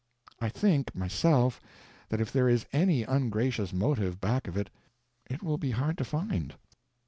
I think, myself, that if there is any ungracious motive back of it it will be hard to find.